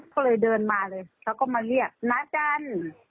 ก็เลยเดินมาเลยเขาก็มาเรียกนะจัน